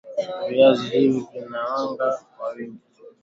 Viazi hivi vina wanga kwa wingi